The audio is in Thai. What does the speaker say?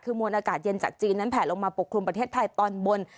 คือมวลอากาศเย็นจากจีนนั้นแผลลงมาปกคลุมประเทศไทยตอนบน